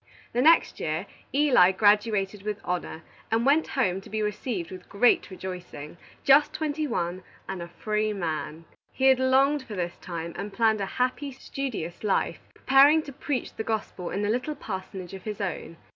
The next year, Eli graduated with honor, and went home, to be received with great rejoicing, just twenty one, and a free man. He had longed for this time, and planned a happy, studious life, preparing to preach the gospel in a little parsonage of his own.